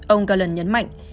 ông galan nhấn mạnh